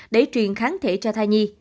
để truyền kháng thể cho thai nhi